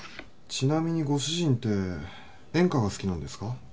ちなみにご主人って演歌が好きなんですか？